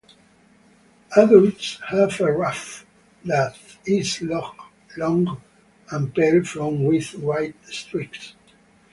Adults have a ruff that is long and pale brown with white streaks.